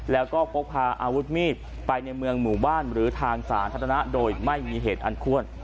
แล้วก็พกพาอาวุธมีดไปในเมืองหมู่บ้านหรือทางสาธารณะโดยไม่มีเหตุอันควร